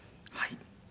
はい。